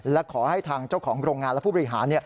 และขอให้ทางเจ้าของโรงงานและผู้บริหาร